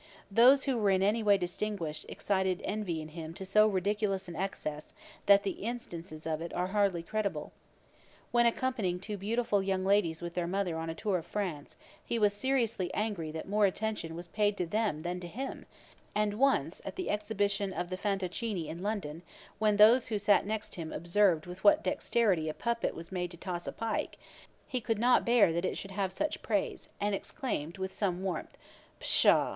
Those who were in any way distinguished, excited envy in him to so ridiculous an excess, that the instances of it are hardly credible. When accompanying two beautiful young ladies with their mother on a tour in France, he was seriously angry that more attention was paid to them than to him; and once at the exhibition of the Fantoccini in London, when those who sat next him observed with what dexterity a puppet was made to toss a pike, he could not bear that it should have such praise, and exclaimed with some warmth, 'Pshaw!